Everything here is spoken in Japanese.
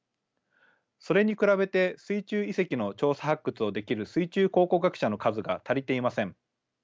それに比べて水中遺跡の調査発掘をできる水中考古学者の数が足りていません。